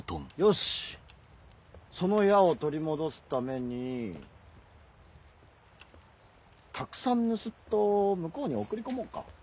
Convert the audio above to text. よしその矢を取り戻すためにたくさん盗っ人を向こうに送り込もうか。